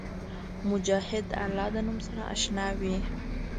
مجاهد د الله د نوم سره اشنا وي.